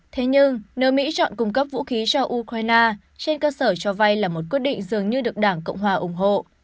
thế nhưng nếu mỹ chọn cung cấp vũ khí cho ukraine trên cơ sở cho vay là một quyết định dường như được đảng cộng hòa ủng hộ